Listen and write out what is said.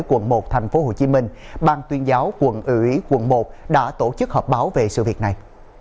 quận một tp hcm bang tuyên giáo quận ủy quận một đã tổ chức họp báo về sự việc này